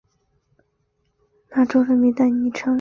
其名称柏油脚跟是对北卡罗来纳州人民的昵称。